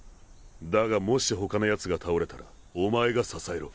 だがもし他のやつが倒れたらお前が支えろ。